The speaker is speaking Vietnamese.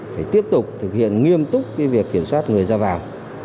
phải tiếp tục thực hiện nghiêm túc việc kiểm soát người ra vào